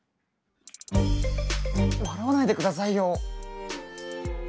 笑わないで下さいよ！